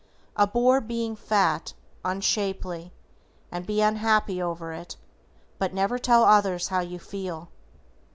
Abhor being fat, unshapely, and be unhappy over it, but never tell others how you feel.